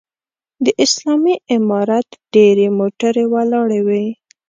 د اسلامي امارت ډېرې موټرې ولاړې وې.